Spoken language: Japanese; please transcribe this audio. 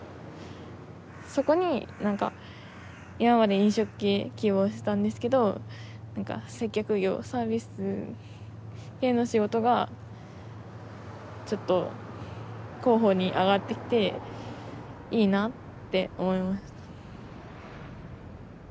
そこになんか今まで飲食系希望してたんですけどなんか接客業サービス系の仕事がちょっと候補に上がってきていいなって思いました。